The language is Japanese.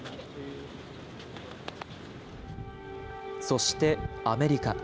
そしてアメリカ。